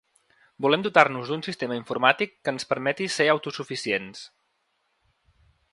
Volem dotar-nos d’un sistema informàtic que ens permeti ser autosuficients.